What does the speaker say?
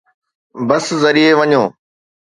بس ذريعي وڃو